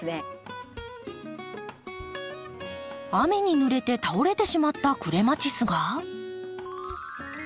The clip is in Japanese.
雨にぬれて倒れてしまったクレマチスがサンゴ